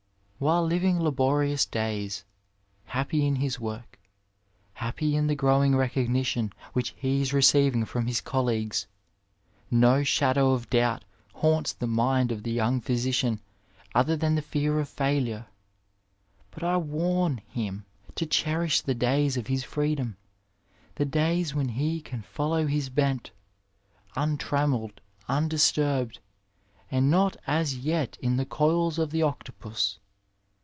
While living laborious days, happy in his work, happy in the growing recognition which he is receiving from his colleagues, no shadow of doubt haunts the mind of the young physician, other than the fear of failure ; but I warn him to cherish the days of his freedom, the days when he can follow his bent, untrammeled, undisturbed, and not as yet in the coils of the octopus.